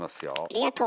ありがと。